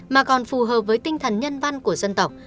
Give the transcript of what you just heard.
mà còn phù hợp với tinh thần nhân văn của dân tộc